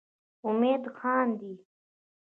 امید خاندي.